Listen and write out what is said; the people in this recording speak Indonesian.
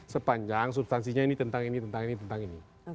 sepanjang substansinya ini tentang ini tentang ini tentang ini